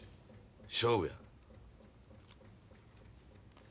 勝負や。